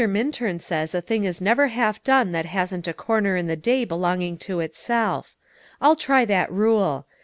Minturn says a thing is never half done that hasn't a corner in the day belonging to itself. I'll try that rule.